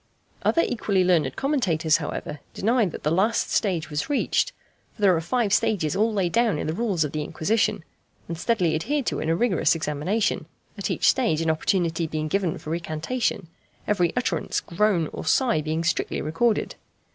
Other equally learned commentators, however, deny that the last stage was reached. For there are five stages all laid down in the rules of the Inquisition, and steadily adhered to in a rigorous examination, at each stage an opportunity being given for recantation, every utterance, groan, or sigh being strictly recorded.